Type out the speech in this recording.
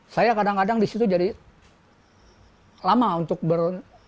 saya kadang kadang disitu jadi lama untuk ber